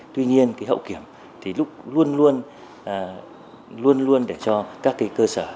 tuy nhiên hậu kiểm thì luôn luôn để cho các cơ sở